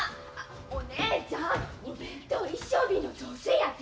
お姉ちゃんお弁当一升瓶の雑炊やて！